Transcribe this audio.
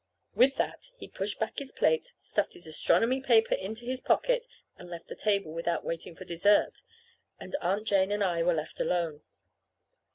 With that he pushed back his plate, stuffed his astronomy paper into his pocket, and left the table, without waiting for dessert. And Aunt Jane and I were left alone.